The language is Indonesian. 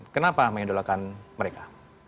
kenapa mengindolakan mereka